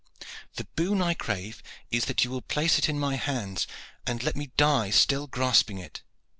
The boon I crave is that you will place it in my hands and let me die still grasping it.